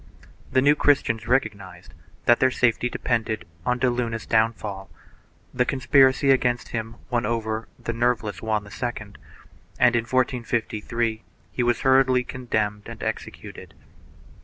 The New Christians recognized that their safety depended on de Luna's downfall; the conspiracy against him won over the nerveless Juan II and, in 1453, he was hurriedly condemned and executed.